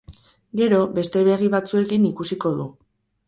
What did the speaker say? Gero beste begi batzuekin ikusiko du.